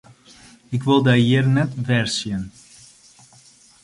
Ik wol dy hjir net wer sjen!